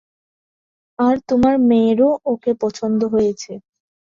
আর তোমার মেয়েরও ওকে পছন্দ হয়েছে।